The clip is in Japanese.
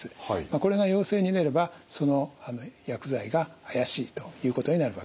これが陽性になればその薬剤が怪しいということになるわけです。